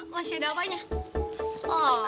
kamu masih ada apa apanya